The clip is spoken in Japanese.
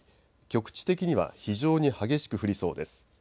局地的には非常に激しく降りそうです。